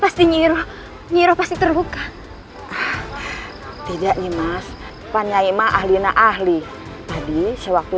pasti nyiru nyiru pasti terluka tidak nih mas pannya ima ahlina ahli tadi sewaktu